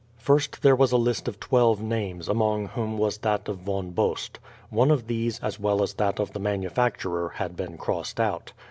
First there was a list of twelve names, among whom was that of Von Bost. One of these, as well as that of the manufacturer, had been crossed out.